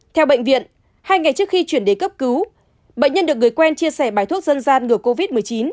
theo bệnh viện hai ngày trước khi chuyển đến cấp cứu bệnh nhân được người quen chia sẻ bài thuốc dân gian ngừa covid một mươi chín